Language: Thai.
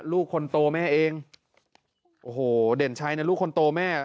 ลูกคนโตแม่เองโอ้โหเด่นชัยเนี่ยลูกคนโตแม่